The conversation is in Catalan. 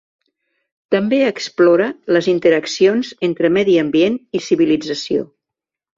També explora les interaccions entre medi ambient i civilització.